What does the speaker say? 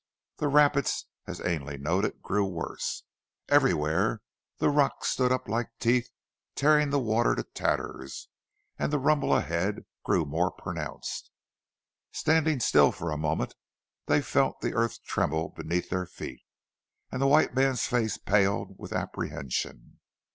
The rapids, as Ainley noted, grew worse. Everywhere the rocks stood up like teeth tearing the water to tatters, and the rumble ahead grew more pronounced. Standing still for a moment, they felt the earth trembling beneath their feet, and the white man's face paled with apprehension.